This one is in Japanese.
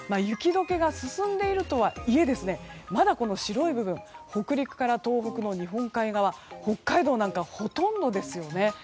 雪解けが進んでいるとはいえまだ白い部分北陸から東北の日本海側北海道なんかはほとんどですよね。